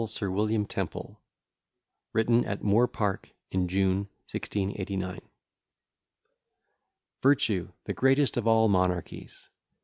SIR WILLIAM TEMPLE WRITTEN AT MOOR PARK IN JUNE 1689 I Virtue, the greatest of all monarchies!